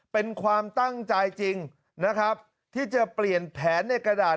เป็นความตั้งใจจริงนะครับที่จะเปลี่ยนแผนในกระดาษ